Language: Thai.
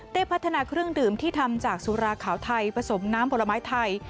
พัฒนาเครื่องดื่มที่ทำจากสุราขาวไทยผสมน้ำผลไม้ไทย